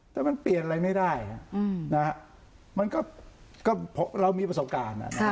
แต่มันเปลี่ยนอะไรไม่ได้อืมนะฮะมันก็ก็เรามีประสบการณ์ค่ะ